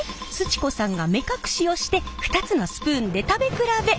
ち子さんが目隠しをして２つのスプーンで食べ比べ。